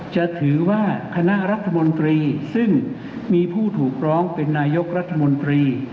จะถือว่าคณะรัฐมนตรีซึ่งมีผู้ถูกร้องเป็นนายกรัฐมนตรี